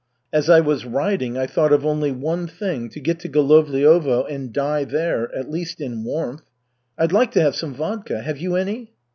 As I was riding, I thought of only one thing, to get to Golovliovo, and die there, at least in warmth. I'd like to have some vodka. Have you any?"